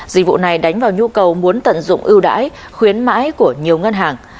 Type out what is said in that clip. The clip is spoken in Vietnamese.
dịch vụ này đánh vào nhu cầu muốn tận dụng ưu đãi khuyến mãi của nhiều ngân hàng